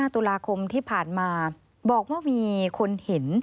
ตุลาคมที่ผ่านมาบอกว่ามีคนเห็น